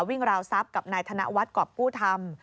วิ่งราวทรัพย์กับนายธนวัตรกรอบผู้ทำ